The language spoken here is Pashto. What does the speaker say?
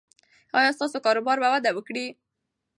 ایا ستا کاروبار به وده وکړي؟